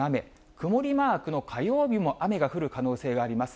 曇りマークの火曜日も雨が降る可能性があります。